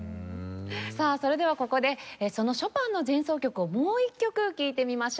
さあそれではここでそのショパンの前奏曲をもう一曲聴いてみましょう。